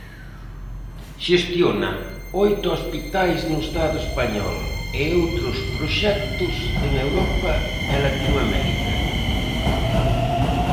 Xestiona oito hospitais no Estado español e outros proxectos en Europa e Latinoamérica.